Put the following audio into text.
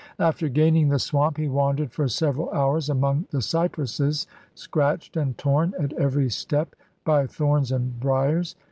After gaining the swamp he wandered for several hours among the cypresses, scratched and torn at every step by thorns and briers.